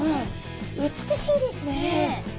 美しいですね。